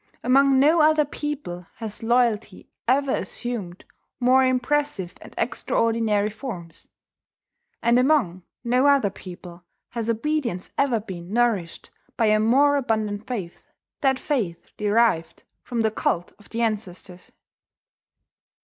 Among no other people has loyalty ever assumed more impressive and extraordinary forms; and among no other people has obedience ever been nourished by a more abundant faith, that faith derived from the cult of the ancestors.